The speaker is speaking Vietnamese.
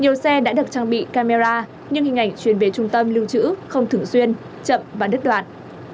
nhiều xe đã được trang bị camera nhưng hình ảnh truyền về trung tâm lưu trữ không thường xuyên chậm và đứt đoạn